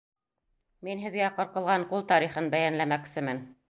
Мин һеҙгә ҡырҡылған ҡул тарихын бәйәнләмәксемен.